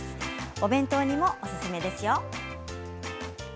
お弁当にも、おすすめです。